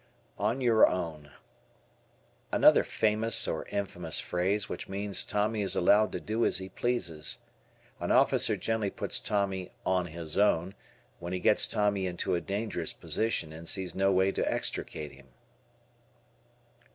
"On your own." Another famous or infamous phrase which means Tommy is allowed to do as he pleases. An officer generally puts Tommy "on his own" when he gets Tommy into a dangerous position and sees no way to extricate him.